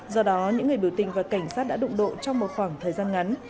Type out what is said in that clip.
do đó những người biểu tình và cảnh sát đã đụng độ trong một khoảng thời gian ngắn